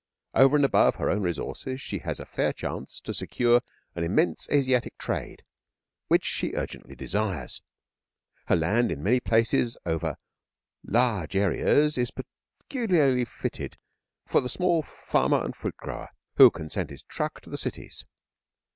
Over and above her own resources she has a fair chance to secure an immense Asiatic trade, which she urgently desires. Her land, in many places over large areas, is peculiarly fitted for the small former and fruit grower, who can send his truck to the cities.